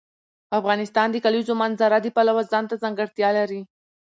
افغانستان د د کلیزو منظره د پلوه ځانته ځانګړتیا لري.